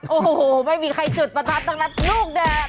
โอ้โฮไม่มีใครจุดประทัดตั้งแต่ลูกเด่อ